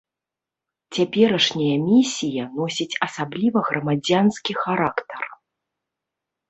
Цяперашняя місія носіць асабліва грамадзянскі характар.